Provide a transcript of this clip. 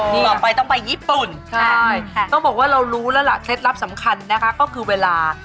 ต่อไปต้องไปญี่ปุ่นใช่ต้องบอกว่าเรารู้แล้วล่ะเคล็ดลับสำคัญนะคะก็คือเวลา